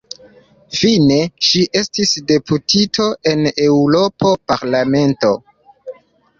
Fine ŝi estis deputito en Eŭropa Parlamento.